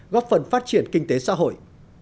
góp phần phát triển kinh tế xã hội